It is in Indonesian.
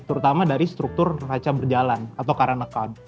terutama dari struktur neraca berjalan atau karena kan